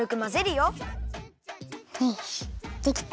よしできた。